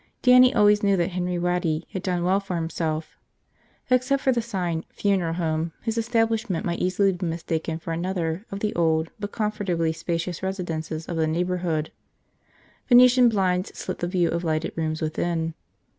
Dannie always knew that Henry Waddy had done well for himself. Except for the sign, Funeral Home, his establishment might easily be mistaken for another of the old but comfortably spacious residences of the neighborhood. Venetian blinds slit the view of lighted rooms within.